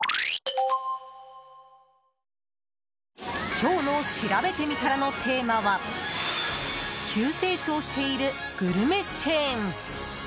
今日のしらべてみたらのテーマは急成長しているグルメチェーン。